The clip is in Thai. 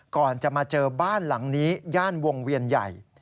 ก่อนจะมาเจอบ้านหลังนี้ย่านวงเวียนใหญ่